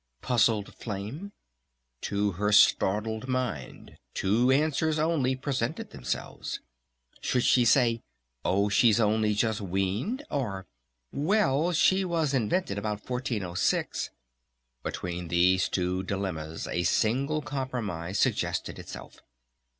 puzzled Flame. To her startled mind two answers only presented themselves.... Should she say "Oh, she's only just weaned," or "Well, she was invented about 1406?" Between these two dilemmas a single compromise suggested itself.